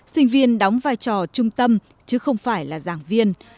sinh viên đóng vai trò trung tâm chứ không phải là giảng viên